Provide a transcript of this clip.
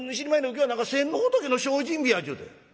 今日は何か先の仏の精進日やっちゅうて」。